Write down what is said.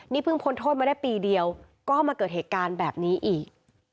นี่เพิ่งพ้นโทษมาได้ปีเดียวก็มาเกิดเหตุการณ์แบบนี้อีก